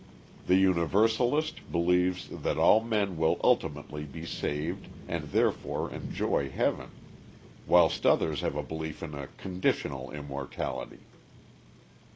The Universalist believes that all men will ultimately be saved and therefore enjoy heaven, whilst others have a belief in a "conditional" immortality.